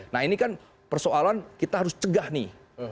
nah ini kan persoalan kita harus cegah nih